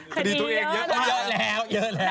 กระดีตัวเองเยอะแล้ว